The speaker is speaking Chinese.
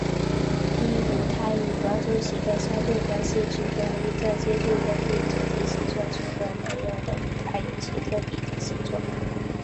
依舞台与观众席的相对关系区分依照建筑内部整体形状区分能乐的舞台有其特定的形状。